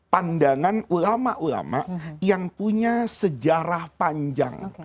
pandangan ulama ulama yang punya sejarah panjang